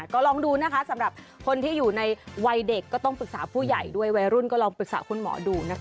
ก็ลองดูนะคะสำหรับคนที่อยู่ในวัยเด็กก็ต้องปรึกษาผู้ใหญ่ด้วยวัยรุ่นก็ลองปรึกษาคุณหมอดูนะคะ